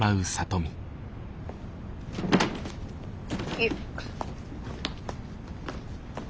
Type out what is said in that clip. よっ。